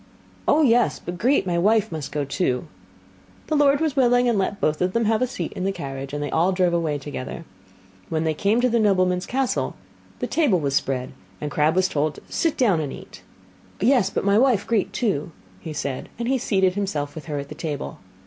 'Oh, yes, but Grete, my wife, must go too.' The lord was willing, and let both of them have a seat in the carriage, and they all drove away together. When they came to the nobleman's castle, the table was spread, and Crabb was told to sit down and eat. 'Yes, but my wife, Grete, too,' said he, and he seated himself with her at the table.